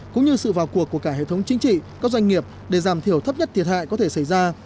cũng như sự vào cuộc của cả hệ thống chính trị các doanh nghiệp để giảm thiểu thấp nhất thiệt hại có thể xảy ra